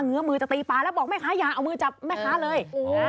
ื้อมือจะตีปลาแล้วบอกแม่ค้าอย่าเอามือจับแม่ค้าเลย